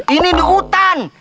ini di hutan